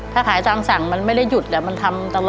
ถ้าขายสั่งมันไม่ได้หยุดแหละมันทำตลอดค่ะ